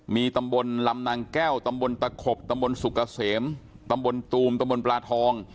มีตำบลลำนางแก้วตำบลตะขบตำบลสุกเกษมตำบลตูมตำบลปลาทอง